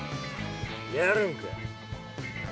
やるんか？